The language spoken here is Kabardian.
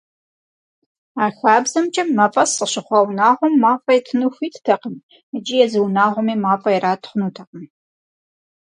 А хабзэмкӏэ, мафӏэс къыщыхъуа унагъуэм мафӏэ итыну хуиттэкъым, икӏи езы унагъуэми мафӏэ ират хъунутэкъым.